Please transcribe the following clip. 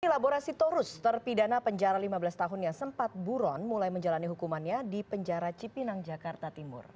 laborasi torus terpidana penjara lima belas tahun yang sempat buron mulai menjalani hukumannya di penjara cipinang jakarta timur